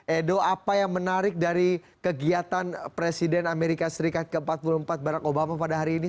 edo apa yang menarik dari kegiatan presiden amerika serikat ke empat puluh empat barack obama pada hari ini